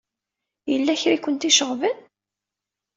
Yella kra ay ken-iceɣben?